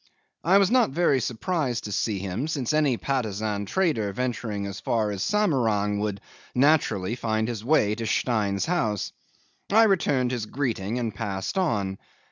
I was not very surprised to see him, since any Patusan trader venturing as far as Samarang would naturally find his way to Stein's house. I returned his greeting and passed on.